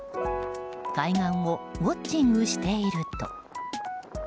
海岸をウォッチングしていると。